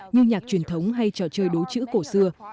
như nhạc truyền thống hay trò chơi đố chữ cổ xưa